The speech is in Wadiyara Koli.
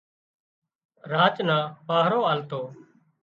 راچ نان پاهرو آلتو